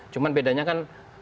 cuma bedanya kan